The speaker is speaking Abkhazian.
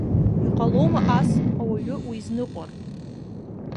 Иҟалома ас уаҩы уизныҟәар.